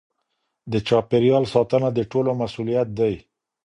د چاپیریال ساتنه د ټولو مسؤلیت دی.